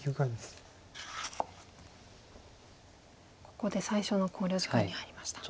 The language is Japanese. ここで最初の考慮時間に入りました。